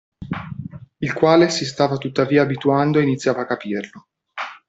Il quale si stava tuttavia abituando e iniziava a capirlo.